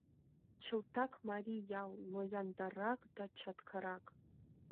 Чылтак марий ял, но яндаррак да чаткарак.